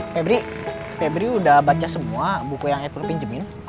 febri febri udah baca semua buku yang edpro pinjemin